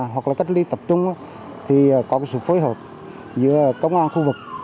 hoặc cách ly tập trung thì có sự phối hợp giữa công an khu vực